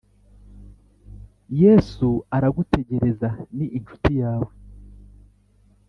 Yesu aragutegereza ni inshuti yawe